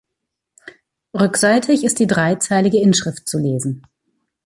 Rückseitig ist die dreizeilige Inschrift zu lesen.